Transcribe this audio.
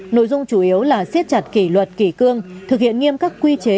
nội dung chủ yếu là siết chặt kỷ luật kỷ cương thực hiện nghiêm các quy chế